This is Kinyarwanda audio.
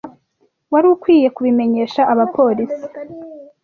Wari ukwiye kubimenyesha abapolisi.